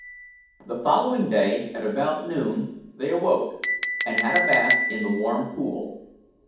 The following day at about noon they awoke, and had a bath in the warm pool.